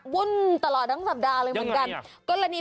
วุ่นตลอดทั้งสัปดาห์เลยเหมือนกันคุณชนะวุ่นตลอดทั้งสัปดาห์เลยเหมือนกันยังไง